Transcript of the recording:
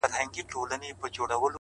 له مودو وروسته يې کرم او خرابات وکړ”